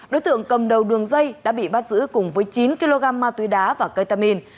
đối tượng cầm đầu đường dây đã bị bắt giữ cùng với chín kg ma túy đá và ketamin